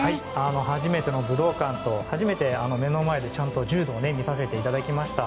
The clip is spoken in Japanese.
初めての武道館と初めて目の前でちゃんと柔道を見させていただきました。